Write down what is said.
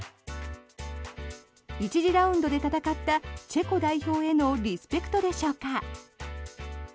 １次ラウンドで戦ったチェコ代表へのリスペクトでしょうか。